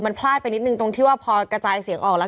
มันพลาดไปนิดนึงตรงที่ว่าพอกระจายเสียงออกแล้ว